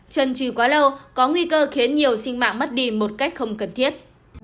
trần trừ quá lâu có nguy cơ khiến nhiều sinh mạng mất đi một cách không cần thiết